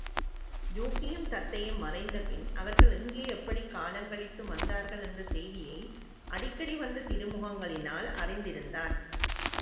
யூகியும் தத்தையும் மறைந்தபின், அவர்கள் எங்கே எப்படிக் காலங்கழித்து வந்தார்கள்? என்ற செய்தியை அடிக்கடி வந்த திருமுகங்களினால் அறிந்திருந்தான்.